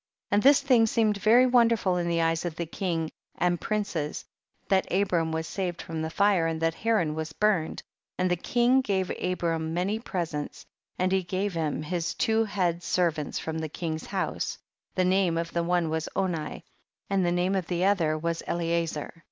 39. And this thing seemed very wonderful in the eyes of the king and princes, that Abram was saved from the fire and that Haran was burned; and the king gave Abram many presents and he gave him his two head servants from the king's house ; the name of one was Oni and the name of the other was Eliezer.